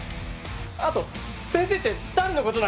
あと「先生」って誰のことなんですか！